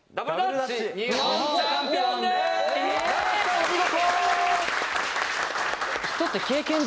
お見事！